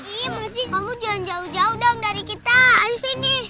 bu messi kamu jangan jauh jauh dong dari kita ayo sini